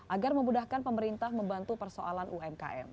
agar memudahkan pemerintah membantu persoalan umkm